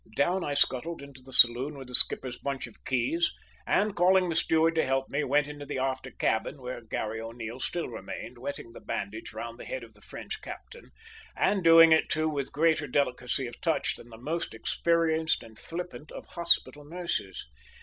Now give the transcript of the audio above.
Down I scuttled into the saloon with the skipper's bunch of keys; and, calling the steward to help me, went into the after cabin, where Garry O'Neil still remained, wetting the bandage round the head of the French captain, and doing it too with greater delicacy of touch than the most experienced and flippant of hospital nurses.